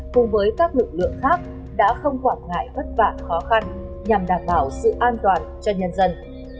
cùng với các lực lượng khác đã không quản ngại vất vả khó khăn nhằm đảm bảo sự an toàn cho nhân dân